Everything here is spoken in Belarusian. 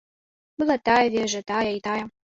Была тая вежа, тая і тая.